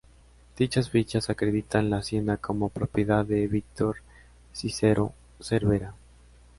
Dichas fichas acreditan la hacienda como propiedad de Víctor Cicero Cervera.